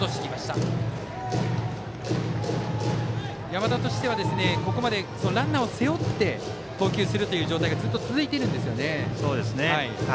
山田としてはここまで、ランナーを背負って投球するという状態がずっと続いているんですよね。